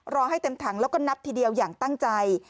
ให้เต็มถังแล้วก็นับทีเดียวอย่างตั้งใจ